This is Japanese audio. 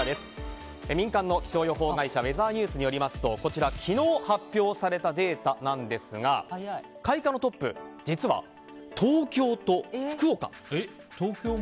民間の気象予報会社ウェザーニューズによりますと昨日発表されたデータなんですが開花のトップ、実は東京と福岡。